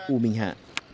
u bình hạ